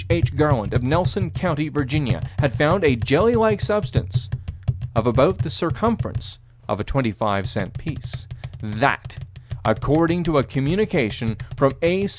H. Garland, of Nelson County, Virginia, had found a jelly like substance of about the circumference of a twenty five cent piece: That, according to a communication from A.